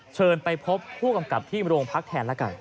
เชิญไปพบผู้กำกับที่โรงพักแทนแล้วกัน